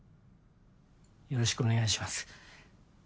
よろしくお願いします。